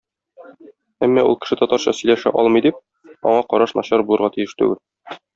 Әмма ул кеше татарча сөйләшә алмый дип, аңа караш начар булырга тиеш түгел.